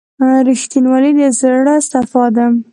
• رښتینولي د زړه صفا ده.